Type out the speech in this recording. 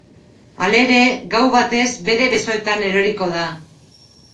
Halere, gau batez bere besoetan eroriko da.